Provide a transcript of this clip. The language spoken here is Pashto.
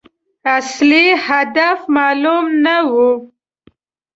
اصلي هدف معلوم نه وي.